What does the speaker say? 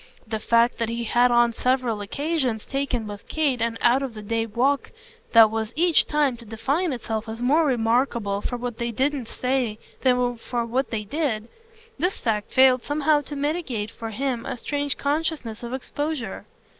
The fact that he had on several recent occasions taken with Kate an out of the way walk that was each time to define itself as more remarkable for what they didn't say than for what they did this fact failed somehow to mitigate for him a strange consciousness of exposure.